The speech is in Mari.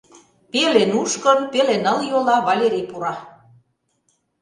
Пеле нушкын, пеле нылйола Валерий пура.